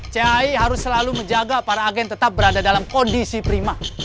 cai harus selalu menjaga para agen tetap berada dalam kondisi prima